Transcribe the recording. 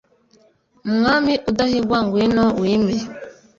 mwami udahigwa ngwino wime